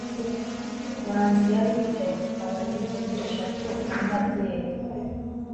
manzi yari yicaye ku kabari kuntebe eshatu, anywa byeri